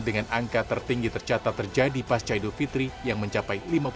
dengan angka tertinggi tercatat terjadi pas caid improving the system